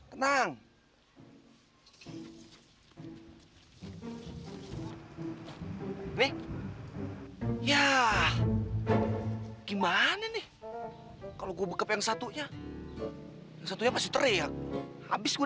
tenang bi ya gimana nih kalau gue bekap yang satunya yang satunya pasti teriak habis gue